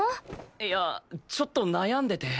いやちょっと悩んでて。